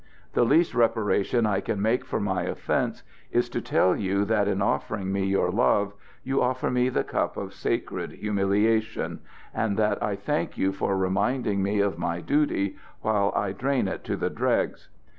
"The least reparation I can make for my offense is to tell you that in offering me your love you offer me the cup of sacred humiliation, and that I thank you for reminding me of my duty, while I drain it to the dregs.